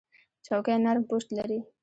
چوکۍ نرم پُشت لري.